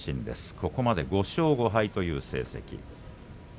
ここまで５勝５敗という成績。